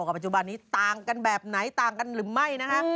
ปัจจุบันนี้ต่างกันแบบไหนต่างกันหรือไม่นะคะ